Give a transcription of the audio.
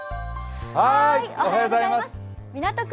港区